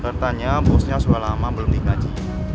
katanya bosnya sudah lama belum digaji